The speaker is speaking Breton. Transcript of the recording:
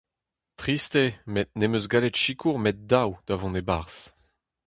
Trist eo, met ne'm eus gallet sikour 'met daou da vont e-barzh.